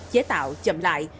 chế tạo chậm lại